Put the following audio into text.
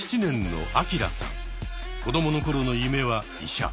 子どものころの夢は「医者」。